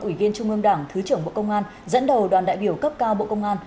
ủy viên trung ương đảng thứ trưởng bộ công an dẫn đầu đoàn đại biểu cấp cao bộ công an